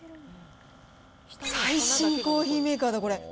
最新コーヒーメーカーだ、これ。